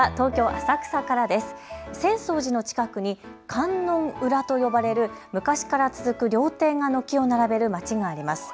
浅草寺の近くに観音裏と呼ばれる昔から続く料亭が軒を並べる街があります。